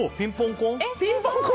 ピンポン婚？